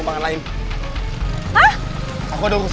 beragaz orang lainnya rouge gue